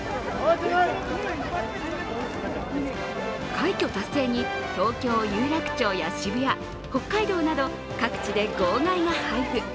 快挙達成に、東京・有楽町や渋谷、北海道など各地で号外が配布。